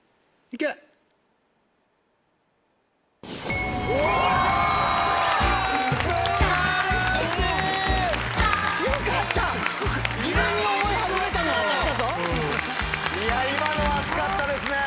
いや今のは熱かったですね！